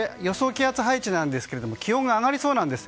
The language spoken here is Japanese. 気圧配置なんですが気温が上がりそうなんです。